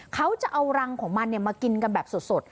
เขาจะเอารังของมันมากินกันแบบสด